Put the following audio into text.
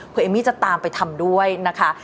เพื่อเอมมี่จะตามไปทำด้วยนะคะ